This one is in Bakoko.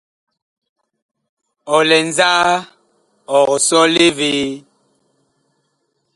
Ɔ lɛ nzaa, ɔg sɔle vee ?